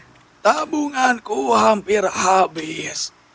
tapi tabunganku hampir habis